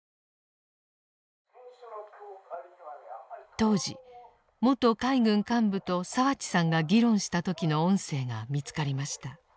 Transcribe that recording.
当時元海軍幹部と澤地さんが議論した時の音声が見つかりました。